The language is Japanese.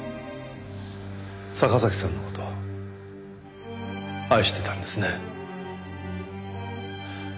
坂崎さんの事を愛してたんですね。